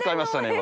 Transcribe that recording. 今。